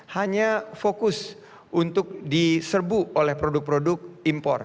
hanya fokus untuk diserbu oleh produk produk impor